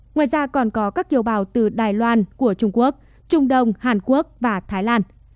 ngoài ra còn có các kiều bào từ đài loan của trung quốc trung đông hàn quốc và thái lan